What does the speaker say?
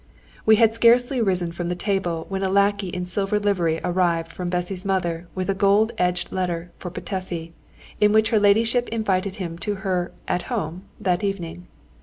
We had scarcely risen from the table when a lackey in silver livery arrived from Bessy's mother with a gold edged letter for Petöfi, in which her ladyship invited him to her "at home" that evening.